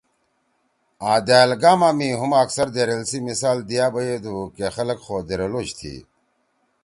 آں دأل گاما می ہوم اکثر دیریل سی مثال دیا بیَدُو کہ خلق خو دیریلوش تھی ۔